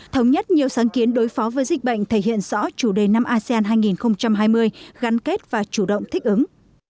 thống nhất nhiều sáng kiến đối phó với dịch bệnh thể hiện rõ chủ đề năm asean hai nghìn hai mươi gắn kết và chủ động thích ứng